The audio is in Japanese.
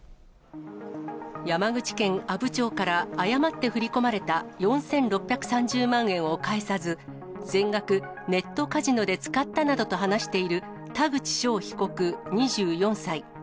山口県阿武町から誤って振り込まれた４６３０万円を返さず、全額、ネットカジノで使ったなどと話している田口翔被告２４歳。